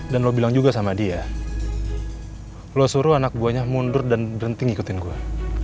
dan lo bilang juga sama dia lo suruh anak buahnya mundur dan berhenti ngikutin gue